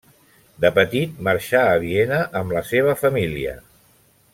De petit marxà a Viena amb la seva família.